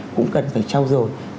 cũng cần phải trao dựng